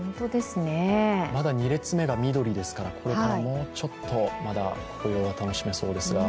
まだ２列目が緑ですからこれからもうちょっとまだ黄葉が楽しめそうですが。